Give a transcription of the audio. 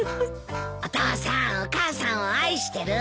お父さんお母さんを愛してる？